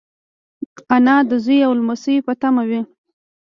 انا د زوی او لمسيو په تمه وي